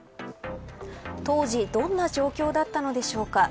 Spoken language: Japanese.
当時どんな状況だったのでしょうか。